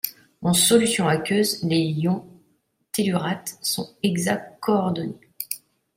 En solution aqueuse, les ions tellurate sont hexacoordonnés.